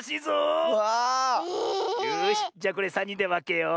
よしじゃこれさんにんでわけよう。